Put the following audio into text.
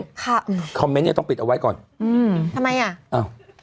ค่ะอืมคอมเมนต์เนี้ยต้องปิดเอาไว้ก่อนอืมทำไมอ่ะอ้าว